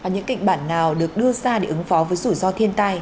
những kịch bản nào được đưa ra để ứng phó với rủi ro thiên tai